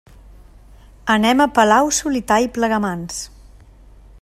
Anem a Palau-solità i Plegamans.